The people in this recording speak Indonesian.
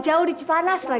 aku pergi ama ya